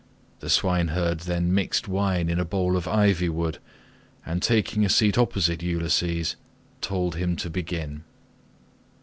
The swineherd then mixed wine in a bowl of ivy wood, and taking a seat opposite Ulysses told him to begin.